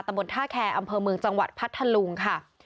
บนท่าแคร์อำเภอเมืองจังหวัดพัทธลุงค่ะ